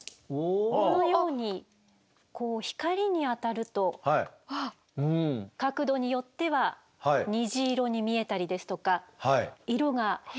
このようにこう光に当たると角度によっては虹色に見えたりですとか色が変化して。